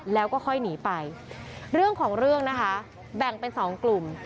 แล้วก็ค่อยหนีไปเรื่องของเรื่องนะคะแบ่งเป็นสองกลุ่ม